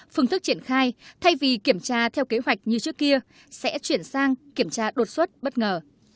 phương thức triển khai thay vì kiểm tra theo kế hoạch như trước kia sẽ chuyển sang kiểm tra đột xuất bất ngờ